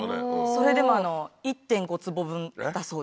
それでも１．５坪分だそうです。